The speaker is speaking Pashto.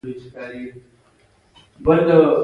د هدیرې خاوره تازه وه، څوک یې ښخ کړي وو.